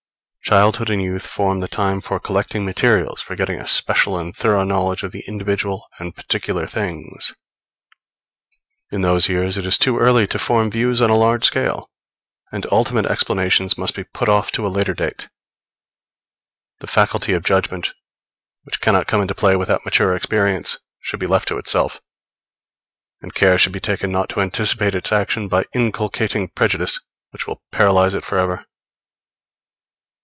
Childhood and youth form the time for collecting materials, for getting a special and thorough knowledge of the individual and particular things. In those years it is too early to form views on a large scale; and ultimate explanations must be put off to a later date. The faculty of judgment, which cannot come into play without mature experience, should be left to itself; and care should be taken not to anticipate its action by inculcating prejudice, which will paralyze it for ever.